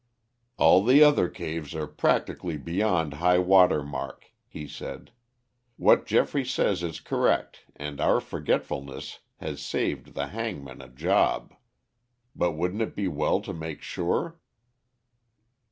"All the other caves are practically beyond high water mark," he said. "What Geoffrey says is correct and our forgetfulness has saved the hangman a job. But wouldn't it be well to make sure?"